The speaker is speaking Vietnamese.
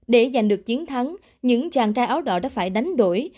để giành được chiến thắng những chàng trai áo đỏ đã phải đánh đổi